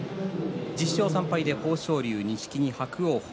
１０勝３敗で豊昇龍、錦木伯桜鵬。